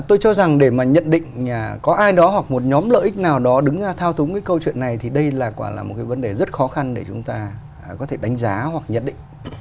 tôi cho rằng để mà nhận định có ai đó hoặc một nhóm lợi ích nào đó đứng ra thao túng cái câu chuyện này thì đây là quả là một cái vấn đề rất khó khăn để chúng ta có thể đánh giá hoặc nhận định